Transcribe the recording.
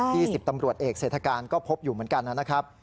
๑๐ตำรวจเอกเศรษฐการก็พบอยู่เหมือนกันนะครับ